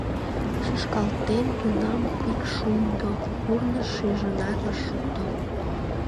Шӱшкалтен тунам пикшумдо Курныж шижынат ыш шукто: